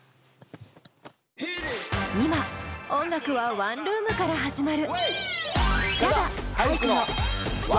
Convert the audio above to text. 今音楽はワンルームから始まる。